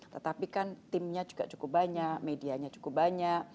tetapi kan timnya juga cukup banyak medianya cukup banyak